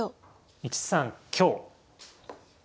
１三香。